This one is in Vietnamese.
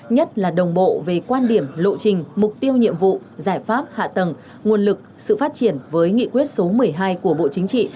nhất là đồng bộ về quan điểm lộ trình mục tiêu nhiệm vụ giải pháp hạ tầng nguồn lực sự phát triển với nghị quyết số một mươi hai của bộ chính trị